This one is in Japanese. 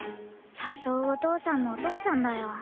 誘うお父さんもお父さんだよ。